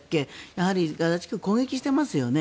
やはりガザ地区を攻撃していますよね。